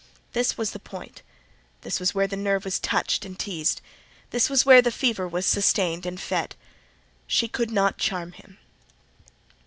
This was the point—this was where the nerve was touched and teased—this was where the fever was sustained and fed: she could not charm him.